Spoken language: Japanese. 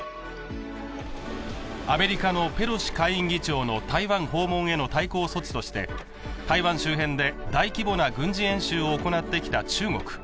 アメリカのペロシ下院議長の台湾訪問への対抗措置として台湾周辺で大規模な軍事演習を行ってきた中国。